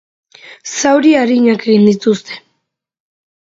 Zauri arinak egin dituzte.